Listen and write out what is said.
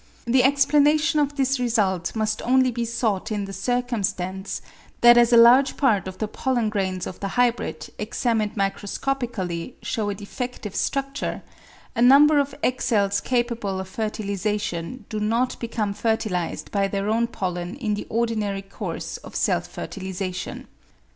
The explanation of this result must only be sought in the circumstance that as a large part of the pollen grains of the hybrid, examined microscopically, show a defective structure, a number of egg cells capable of fertilisation do with Hieracium 367 not become fertilised by their own pollen in the ordinary course of self fertilisation.